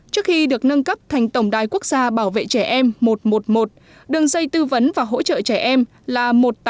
trước khi được nâng cấp thành tổng đài quốc gia bảo vệ trẻ em một trăm một mươi một đường dây tư vấn và hỗ trợ trẻ em là một tám không không một năm sáu bảy